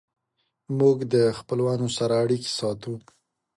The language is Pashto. موږ د خپلوانو سره اړیکې ساتو.